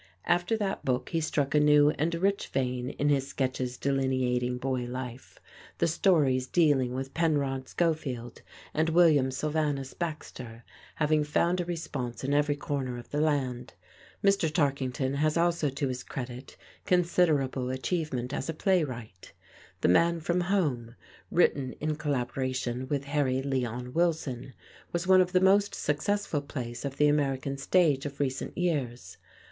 After that book he struck a new and rich vein in his sketches delineating boy life, the stories dealing with Penrod Schofield and William Sylvanus Baxter having found a response in every corner of the land. Mr. Tarkington has also to his credit considerable achievement as a playwright. "The Man From Home," written in collaboration with Harry Leon Wilson, was one of the most successful plays of the American stage of recent years.